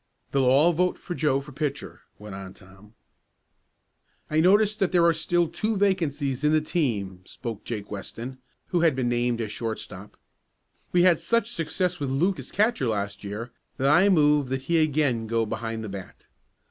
"They'll all vote for Joe for pitcher," went on Tom. "I notice that there are still two vacancies in the team," spoke Jake Weston, who had been named as shortstop. "We had such success with Luke as catcher last year, that I move that he again go behind the bat."